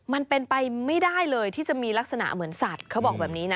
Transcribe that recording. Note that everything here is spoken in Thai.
มันเป็นไปไม่ได้เลยที่จะมีลักษณะเหมือนสัตว์